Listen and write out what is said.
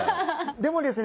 でもですね